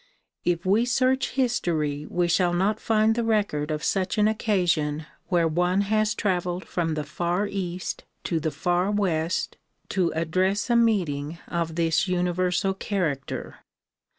If we search history we shall not find the record of such an occasion where one has traveled from the far east to the far west to address a meeting of this universal character.